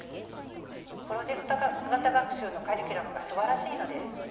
プロジェクト型学習のカリキュラムがすばらしいのです。